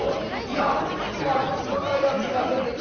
やっとまともなやつが出てきたよ。